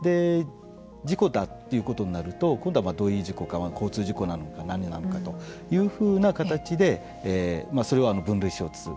事故だということになると今度は交通事故なのか何なのかというふうな形でそれを分類しようとなる。